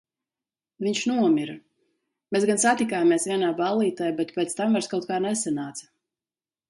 Viņš nomira. Mēs gan satikāmies vienā ballītē, bet pēc tam vairs kaut kā nesanāca.